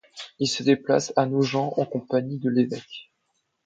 Il se déplace à Nogent en compagnie de l'évêque.